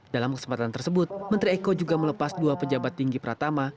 dalam kesempatan tersebut menteri eko juga melepas dua pejabat tinggi pratama